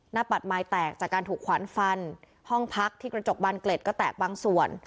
ปัดไม้แตกจากการถูกขวัญฟันห้องพักที่กระจกบานเกล็ดก็แตกบางส่วน